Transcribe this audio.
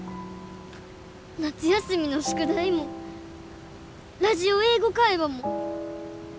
夏休みの宿題もラジオ「英語会話」も。